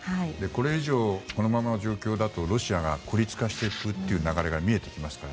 これ以上、このままの状況だとロシアが孤立化する流れが見えてきますから。